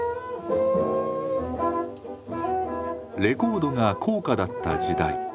レコードが高価だった時代。